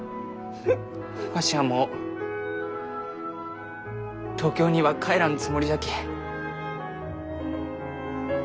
わしはもう東京には帰らんつもりじゃき。